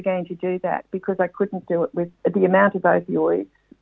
karena saya tidak bisa melakukannya dengan jumlah opioid